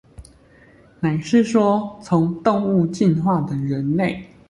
乃是說從動物進化的人類